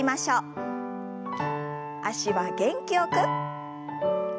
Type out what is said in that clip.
脚は元気よく。